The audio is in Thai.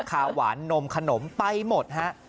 ขาวหวานนมขนมไปหมดฮะ